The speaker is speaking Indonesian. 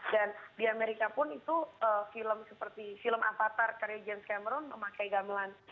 dan di amerika pun itu film seperti film avatar karya james cameron memakai gamelan